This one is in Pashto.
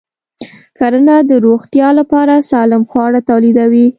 کرنه د روغتیا لپاره سالم خواړه تولیدوي.